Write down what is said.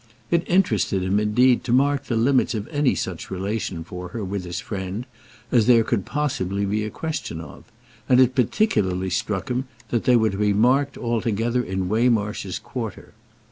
It interested him indeed to mark the limits of any such relation for her with his friend as there could possibly be a question of, and it particularly struck him that they were to be marked altogether in Waymarsh's quarter.